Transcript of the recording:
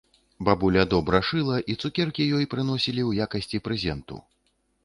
Бабуля добра шыла, і цукеркі ёй прыносілі ў якасці прэзенту.